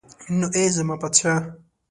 نو ای زما پادشاه.